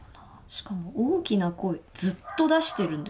しかも大きな声ずっと出してるんですよね。